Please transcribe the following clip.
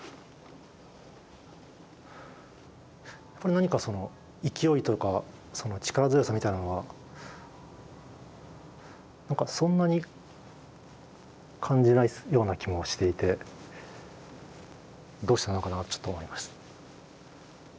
何かその勢いとか力強さみたいなのはそんなに感じないような気もしていてどうしたのかなってちょっと思います。